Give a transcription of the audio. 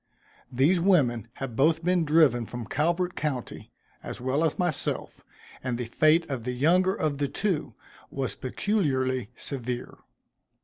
These women had both been driven from Calvert county, as well as myself, and the fate of the younger of the two, was peculiarly severe.